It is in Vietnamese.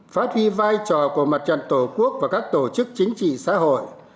phát huy vai trò của mặt trận tổ quốc và các tổ chức chính trị xã hội